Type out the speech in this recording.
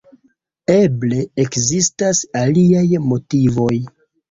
Eble, ekzistas aliaj motivoj.